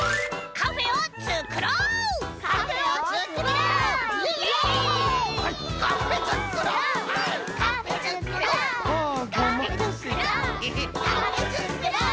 カフェつくろう！